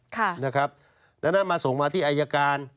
ค่ะนะครับแล้วนั่นมาส่งมาที่อายการ